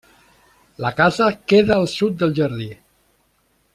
La casa queda al sud del jardí.